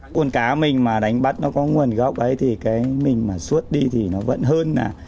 con cá mình mà đánh bắt nó có nguồn gốc ấy thì cái mình mà suốt đi thì nó vẫn hơn là